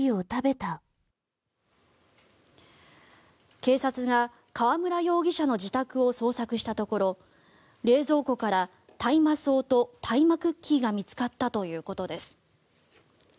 警察が川村容疑者の自宅を捜索したところ冷蔵庫から大麻草と大麻クッキーが見つかったということです。